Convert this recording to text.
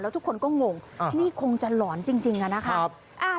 ทุกคนก็งงนี่คงจะหลอนจริงอะนะคะ